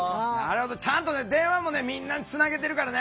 ちゃんと電話もみんなにつなげてるからね。